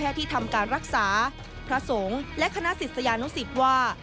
ที่ทำการรักษาพระสงฆ์และคณะศิษยานุสิตว่า